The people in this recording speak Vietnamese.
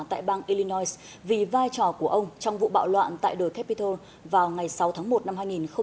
tại bang illinois vì vai trò của ông trong vụ bạo loạn tại đồ capitol vào ngày sáu tháng một năm hai nghìn hai mươi